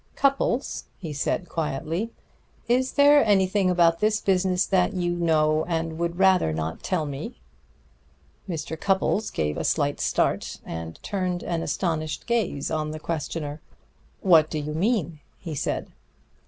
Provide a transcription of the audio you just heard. "Cupples," he said quietly, "is there anything about this business that you know and would rather not tell me?" Mr. Cupples gave a slight start, and turned an astonished gaze on the questioner. "What do you mean?" he said.